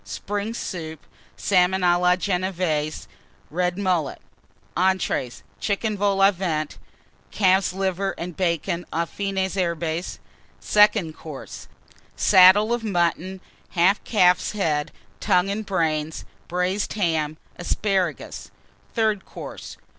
Spring Soup. Salmon à la Genévése. Red Mullet. ENTREES. Chicken Vol au Vent. Calf's Liver and Bacon aux Fines Herbes. SECOND COURSE. Saddle of Mutton. Half Calf's Head, Tongue, and Brains. Braised Ham. Asparagus. THIRD COURSE.